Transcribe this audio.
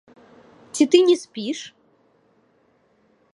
Ці ты не спіш?